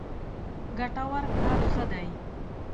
ګټور کار ښه دی.